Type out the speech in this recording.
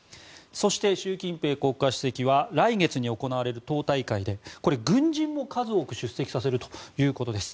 そして、習近平国家主席は来月に行われる党大会で軍人も数多く出席させるということです。